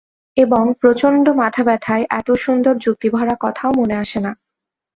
এবং প্রচণ্ড মাথাব্যথায় এত সুন্দর যুক্তিভরা কথাও মনে আসে না।